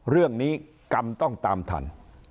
เรื่องนี้กรรมต้องตามทัน